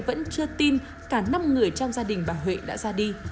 vẫn chưa tin cả năm người trong gia đình bà huệ đã ra đi